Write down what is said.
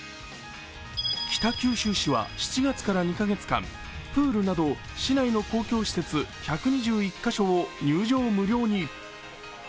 北九州市は７月から２カ月間プールなど市内の公共施設１２１カ所を入場無料に。